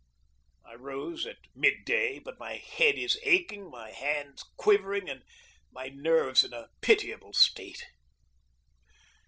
I rose at mid day, but my head is aching, my hands quivering, and my nerves in a pitiable state.